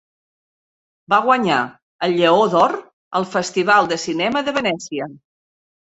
Va guanyar el Lleó d'Or al Festival de Cinema de Venècia.